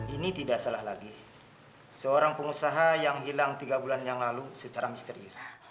ini tidak salah lagi seorang pengusaha yang hilang tiga bulan yang lalu secara misterius